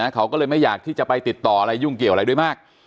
เขาก็เลยไม่อยากที่จะไปติดต่ออะไรยุ่งเกี่ยวอะไรด้วยมาก